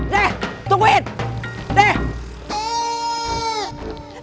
deh tungguin deh